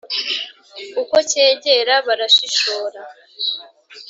Ukwo cyegera barashishora,